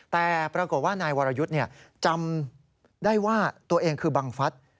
แต่ปรากฏว่านายวรยุทธ์จำได้ว่าตัวเองคือบังฟัฐ